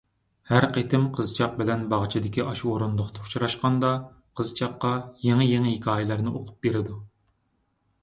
ھەر قېتىم قىزچاق بىلەن باغچىدىكى ئاشۇ ئورۇندۇقتا ئۇچراشقاندا، قىزچاققا يېڭى-يېڭى ھېكايىلەرنى ئوقۇپ بېرىدۇ.